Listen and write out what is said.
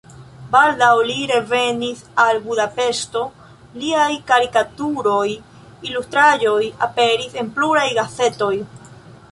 Baldaŭ li revenis al Budapeŝto, liaj karikaturoj, ilustraĵoj aperis en pluraj gazetoj.